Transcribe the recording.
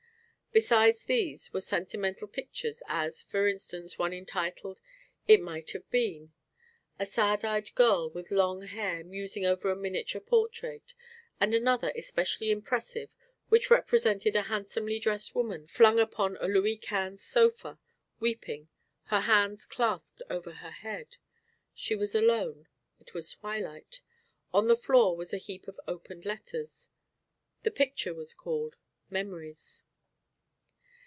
Besides these were sentimental pictures, as, for instance, one entitled "It Might Have Been," a sad eyed girl, with long hair, musing over a miniature portrait, and another especially impressive which represented a handsomely dressed woman flung upon a Louis Quinze sofa, weeping, her hands clasped over her head. She was alone; it was twilight; on the floor was a heap of opened letters. The picture was called "Memories."